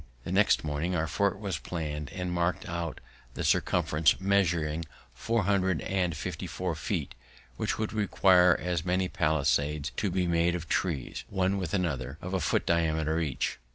The next morning our fort was plann'd and mark'd out, the circumference measuring four hundred and fifty five feet, which would require as many palisades to be made of trees, one with another, of a foot diameter each.